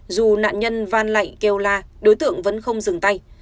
dù nạn nhân van lạnh kêu la đối tượng vẫn không dừng tay